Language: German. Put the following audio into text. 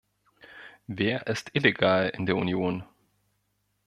Wer ist illegal in der Union?